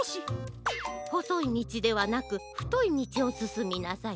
ほそいみちではなくふといみちをすすみなさい。